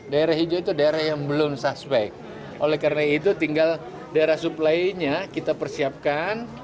daerah hijau itu daerah yang belum suspek oleh karena itu tinggal daerah suplainya kita persiapkan